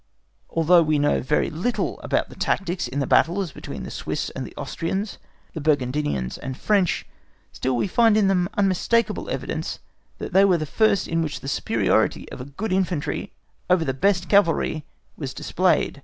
Although we know very little about the tactics in the battles between the Swiss and the Austrians, the Burgundians and French, still we find in them unmistakable evidence that they were the first in which the superiority of a good infantry over the best cavalry was, displayed.